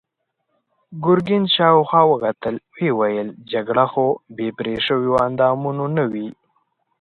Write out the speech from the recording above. ګرګين شاوخوا وکتل، ويې ويل: جګړه خو بې پرې شويوو اندامونو نه وي.